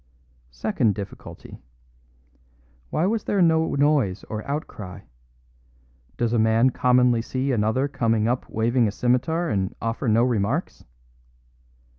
Second difficulty: Why was there no noise or outcry? Does a man commonly see another come up waving a scimitar and offer no remarks?